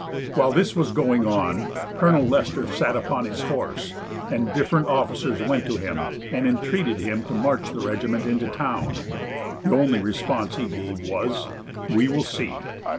While this was going on, Colonel Lester sat upon his horse, and different officers went to him and entreated him to march the regiment into town. The only response he gave was, "We will see."